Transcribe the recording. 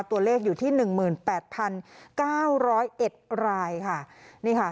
ตัวเลขอยู่ที่หนึ่งหมื่นแปดพันเก้าร้อยเอ็ดรายค่ะนี่ค่ะ